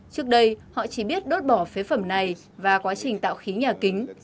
trước đây họ chỉ biết đốt bỏ phế phẩm này và quá trình tạo khí nhà kính